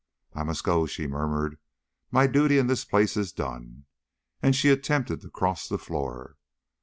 "I must go," she murmured; "my duty in this place is done." And she attempted to cross the floor.